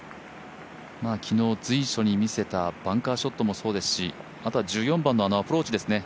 昨日、随所に見せたバンカーショットもそうですしあとは１４番のあのアプローチですね